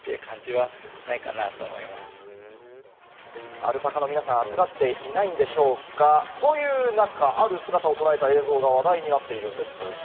アルパカの皆さん、暑がっていないんでしょうか？という中、ある姿を捉えた映像が話題になっているんです。